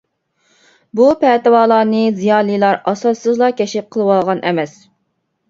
ئۇ پەتىۋالارنى زىيالىيلار ئاساسسىزلا كەشىپ قىلىۋالغان ئەمەس.